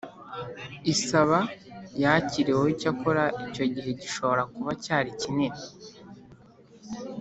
isaba yakiriweho Icyakora icyo gihe gishobora kuba cyari kinini